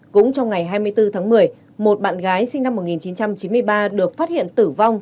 cũng trong ngày hai mươi bốn tháng một mươi một bạn gái sinh năm một nghìn chín trăm chín mươi ba được phát hiện tử vong